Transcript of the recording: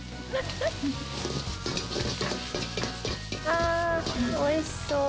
あぁおいしそう。